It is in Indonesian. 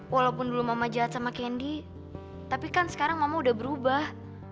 walaupun dulu mama jahat sama kendi tapi kan sekarang mama udah berubah